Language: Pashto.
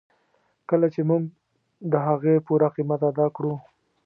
کله چې موږ د هغې پوره قیمت ادا کړو.